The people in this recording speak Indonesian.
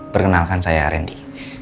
perkenalkan saya rendy